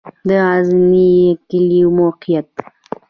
د غزنی کلی موقعیت